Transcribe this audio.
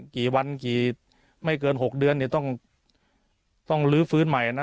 กี่วันกี่ไม่เกิน๖เดือนเนี่ยต้องลื้อฟื้นใหม่นะ